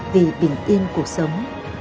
vì bình yên cuộc sống